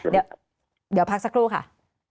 เดี๋ยวพักสักครู่ค่ะ